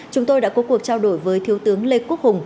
chúng tôi đã có cuộc trao đổi với thiếu tướng lê quốc hùng